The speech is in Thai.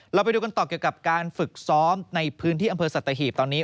เราไปดูกันต่อเกี่ยวกับการฝึกซ้อมในพื้นที่อำเภอสัตหีบตอนนี้